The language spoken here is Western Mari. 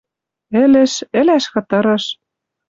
Ӹлӹш, ӹлӓш хытырыш.